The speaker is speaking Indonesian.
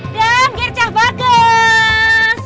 dan gerti bakus